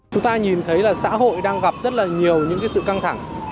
chúng ta nhìn thấy là xã hội đang gặp rất là nhiều những sự căng thẳng